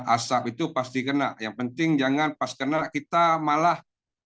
asap itu pasti kena yang penting jangan pas kena kita malah